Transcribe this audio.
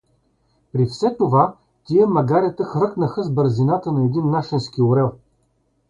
При все това тия магарета хвръкнаха с бързината на един нашенски орел.